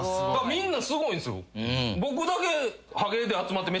みんなすごいんすよ。